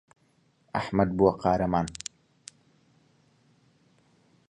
ئەحمەد بووە قارەمان.